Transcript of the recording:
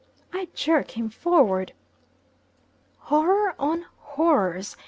I jerk him forward. Horror on horrors!